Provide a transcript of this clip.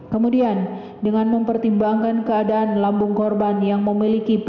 kemudian dengan mempertimbangkan keadaan lambung korban yang memiliki ph satu tiga